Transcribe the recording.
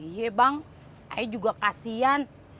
iya bang ayah juga kasian